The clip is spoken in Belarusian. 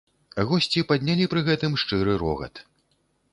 Госці паднялі пры гэтым шчыры рогат.